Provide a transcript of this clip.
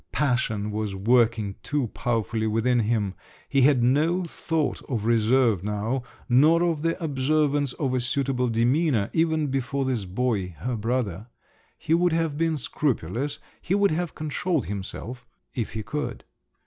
Passion was working too powerfully within him: he had no thought of reserve now, nor of the observance of a suitable demeanour—even before this boy, her brother. He would have been scrupulous, he would have controlled himself—if he could!